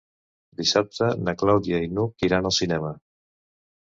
Dissabte na Clàudia i n'Hug iran al cinema.